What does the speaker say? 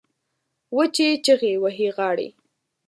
وچې چیغې وهي غاړې